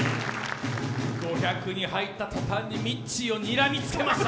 ５００に入った途端にミッチーをにらみつけました。